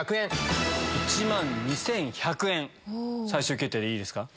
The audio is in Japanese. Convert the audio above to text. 最終決定でいいですか？